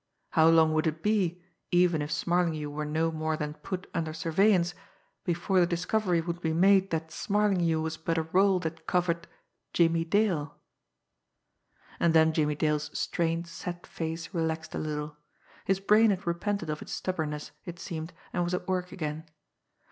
How long would it be, even if Smarlinghue were no more than put under surveillance, before the discovery would be made that Smarlinghue was but a role that covered Jimmie Dale! And then Jimmie Dale's strained, set face relaxed a little. His brain had repented of its stubbornness, it seemed, and was at work again.